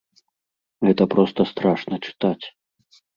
Гэта проста страшна чытаць.